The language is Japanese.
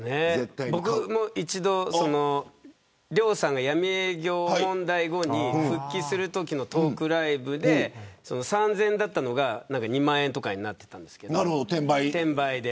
僕も一度、亮さんが闇営業問題後に復帰するときのトークライブで３０００円だったのが２万円とかになっていたんですけど転売で。